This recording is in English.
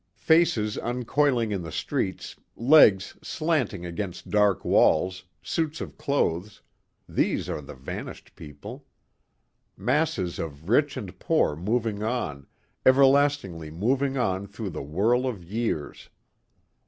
Faces uncoiling in the streets, legs slanting against dark walls, suits of clothes these are the vanished people. Masses of rich and poor moving on, everlastingly moving on through the whirl of years.